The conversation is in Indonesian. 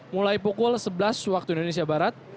mulai pukul sebelas wib